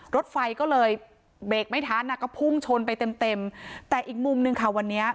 รถไฟก็เลยเบรกไม่ทันอ่ะก็พุ่งชนไปเต็มเต็มแต่อีกมุมหนึ่งค่ะวันนี้